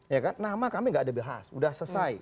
ya kan nama kami gak ada biasa udah selesai